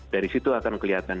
dari situ akan kelihatan